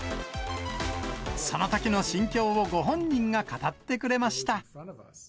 そのときの心境を、ご本人が語ってくれました。